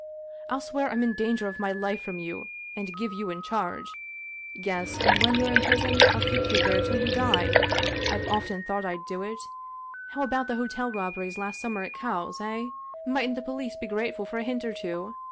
" I'll swear I'm in danger of my life from you and give you in charge. Yes, and when you're in prison I'll keep you there till you die. I've often thought I'd do it. How about the hotel robberies last summer at Cowes, eh? Mightn't the police be grateful for a hint or two?